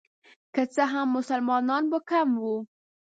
که څه هم مسلمانان به کم وو.